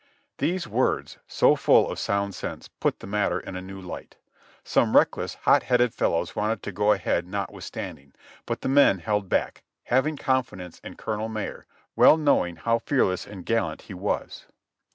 These words, so full of sound sense, put the matter in a new light. Some reckless, hotheaded fellows wanted to go ahead not withstanding; but the men held back, having confidence in Colonel Marye, well knowing how fearless and gallant he was.